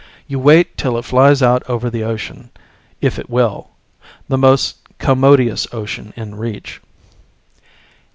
You wait till it flies out over the ocean, if it will the most commodious ocean in reach.